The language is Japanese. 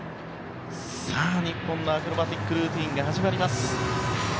日本のアクロバティックルーティンが始まります。